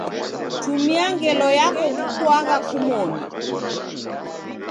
Tumia ngelo yako kukuagha kumoni.